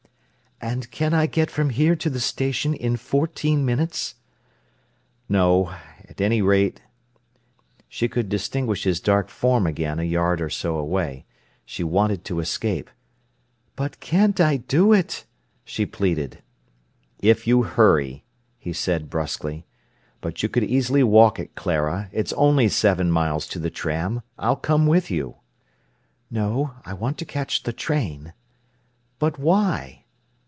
"And can I get from here to the station in fourteen minutes?" "No. At any rate—" She could distinguish his dark form again a yard or so away. She wanted to escape. "But can't I do it?" she pleaded. "If you hurry," he said brusquely. "But you could easily walk it, Clara; it's only seven miles to the tram. I'll come with you." "No; I want to catch the train." "But why?"